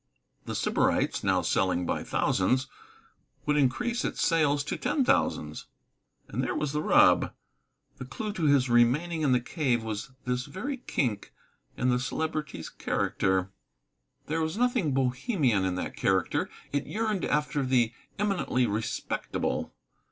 The Sybarites, now selling by thousands, would increase its sales to ten thousands. Ah, there was the rub. The clue to his remaining in the cave was this very kink in the Celebrity's character. There was nothing Bohemian in that character; it yearned after the eminently respectable.